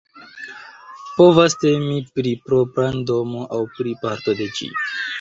Povas temi pri propra domo aŭ pri parto de ĝi.